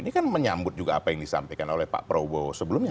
ini kan menyambut juga apa yang disampaikan oleh pak prabowo sebelumnya